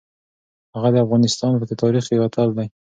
هغه د افغانستان په تاریخ کې یو اتل دی.